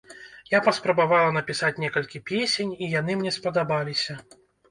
Я паспрабавала напісаць некалькі песень, і яны мне спадабаліся.